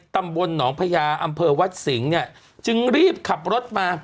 ตำบลหนองพญาอำเภอวัดสิงห์เนี่ยจึงรีบขับรถมา